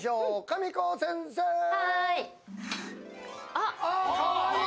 あっ、かわいい。